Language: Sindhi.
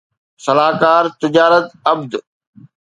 صلاحڪار تجارت عبد